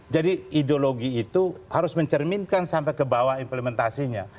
jadi ideologi itu harus mencerminkan sampai ke bawah implementasinya